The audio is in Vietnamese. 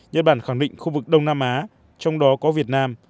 nhật bản khẳng định khu vực đông nam á trong đó có việt nam